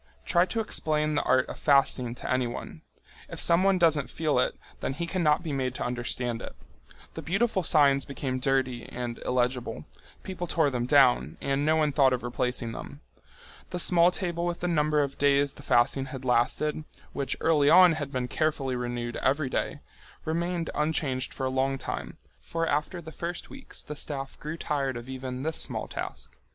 Try to explain the art of fasting to anyone! If someone doesn't feel it, then he cannot be made to understand it. The beautiful signs became dirty and illegible. People tore them down, and no one thought of replacing them. The small table with the number of days the fasting had lasted, which early on had been carefully renewed every day, remained unchanged for a long time, for after the first weeks the staff grew tired of even this small task.